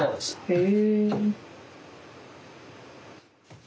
へえ。